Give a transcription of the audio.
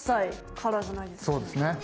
そうですね。